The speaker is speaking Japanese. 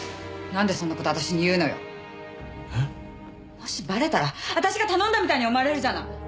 もしバレたら私が頼んだみたいに思われるじゃない！